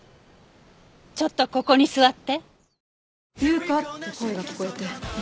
ちょっとここに座って。